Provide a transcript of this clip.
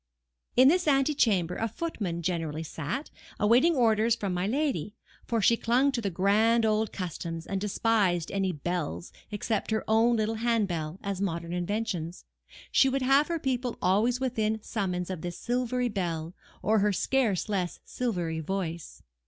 In this antechamber a footman generally sat, awaiting orders from my lady; for she clung to the grand old customs, and despised any bells, except her own little hand bell, as modern inventions; she would have her people always within summons of this silvery bell, or her scarce less silvery voice.